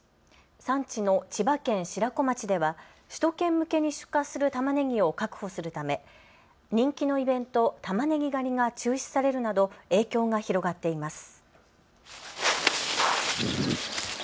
産地の千葉県白子町では首都圏向けに出荷するたまねぎを確保するため人気のイベント、たまねぎ狩りが中止されるなど影響が広がっています。